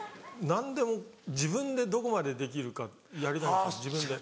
何でも自分でどこまでできるかやりたいんです自分で。